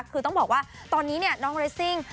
คือต้องบอกว่าตอนนี้เนี่ยน้องเรสซิ่ง